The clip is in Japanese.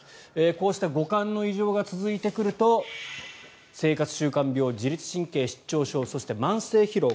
こうした五感の異常が続いてくると生活習慣病自律神経失調症慢性疲労